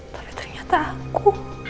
tapi ternyata aku